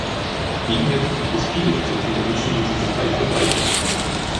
Gegenwärtig gibt es viele dieser Tendenzen und sie sind weitverbreitet.